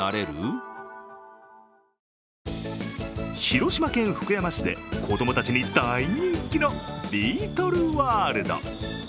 広島県福山市で子供たちに大人気のビートルワールド。